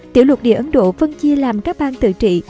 tiểu lục địa ấn độ phân chia làm các bang tự trị